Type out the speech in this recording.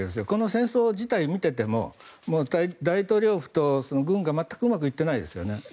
この戦争自体を見ていても大統領府と軍が全くうまくいってないですよね。